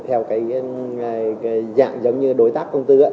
theo dạng giống như đối tác công tư